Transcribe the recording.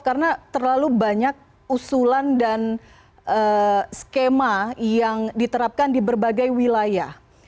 karena terlalu banyak usulan dan skema yang diterapkan di berbagai wilayah